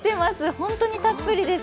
ホントにたっぷりです。